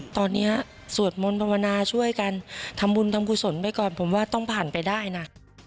ตอนนี้สวดมนต์ภาวนาช่วยกันทำบุญทำกุศลไปก่อนผมว่าต้องผ่านไปได้นะ